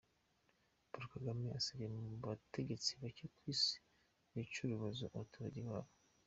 Paul Kagame asigaye mu bategetsi bake kw’isi bica urubozo abaturage babo.